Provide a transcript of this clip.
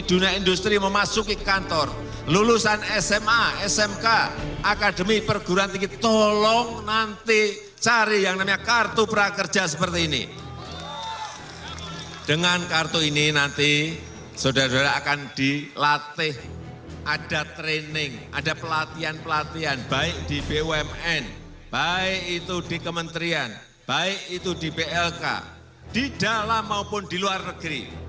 dengan kartu ini nanti saudara saudara akan dilatih ada training ada pelatihan pelatihan baik di bumn baik itu di kementerian baik itu di plk di dalam maupun di luar negeri